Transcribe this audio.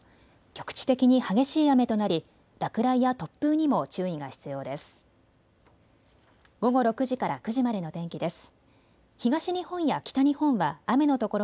局地的に激しい雨となり落雷や突風にも注意が必要です。